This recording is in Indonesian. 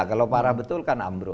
kalau parah betul kan ambruk